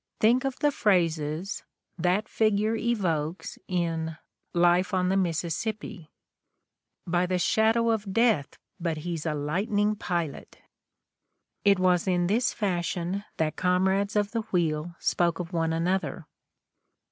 Think of the phrases that figure evokes in "Life on the Mississippi": "By the Shadow of Death, but he's a lightning pilot!" It was in this fashion that comrades of the wheel spoke of one another.